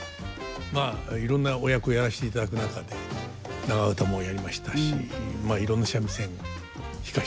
まあいろんなお役をやらせていただく中で長唄もやりましたしまあいろんな三味線弾かせてもらいました。